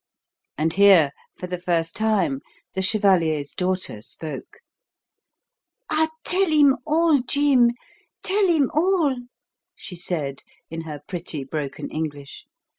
And here, for the first time, the chevalier's daughter spoke. "Ah, tell him all, Jim, tell him all," she said, in her pretty broken English.